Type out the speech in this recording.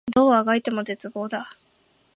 どう足掻いても絶望だ